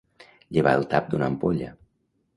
Llevar el tap d'una ampolla.